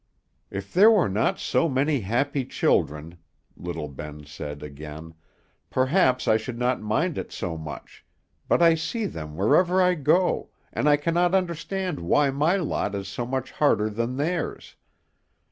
"If there were not so many happy children," little Ben said again, "perhaps I should not mind it so much, but I see them wherever I go, and I cannot understand why my lot is so much harder than theirs.